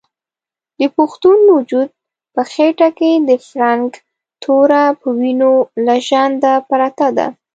د پښتون وجود په خېټه کې د فرنګ توره په وینو لژنده پرته ده.